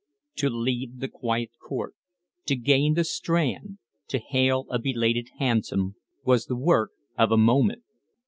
To leave the quiet court, to gain the Strand, to hail a belated hansom was the work of a moment.